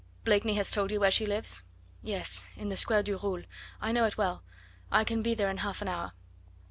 "Blakeney has told you where she lives?" "Yes. In the Square du Roule. I know it well. I can be there in half an hour."